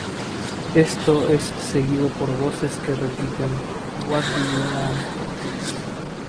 Esto es seguido por voces que repiten ""What do you want?